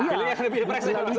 pilihannya lebih depresi